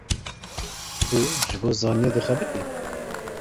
Tu ji bo zanînê dixebitî.